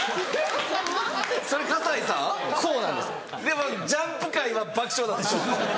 でもジャンプ界は爆笑なんでしょう。